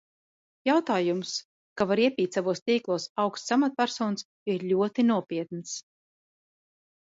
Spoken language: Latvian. Jautājums, ka var iepīt savos tīklos augstas amatpersonas, ir ļoti nopietns.